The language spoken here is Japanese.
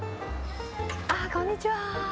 あっ、こんにちは。